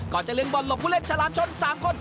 ก่อนจะเรียนบอลหลบผู้เล่นฉลามชน๓คน